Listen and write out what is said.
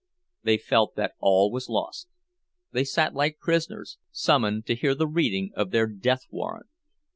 They felt that all was lost; they sat like prisoners summoned to hear the reading of their death warrant.